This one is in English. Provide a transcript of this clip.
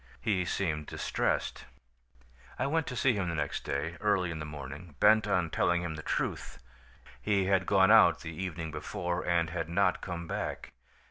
He seemed distressed. "I went to see him the next day, early in the morning, bent on telling him the truth. He had gone out the evening before and had not come back.